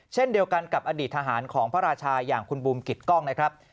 เช่นเดียวกันกับอดีตทหารของพระราชาอย่างคุณบูมกิจกล้องนะครับ